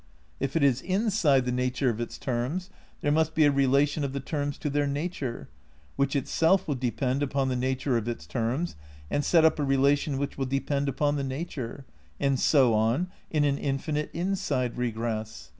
If it is in side the nature of its terms, there must be a relation of the terms to their nature, which itself will depend upon the nature of its terms and set up a relation which will depend upon the nature — and so on in an infinite inside regress.